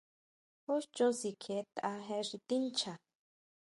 Jú chon sikjietʼa je xi tincha.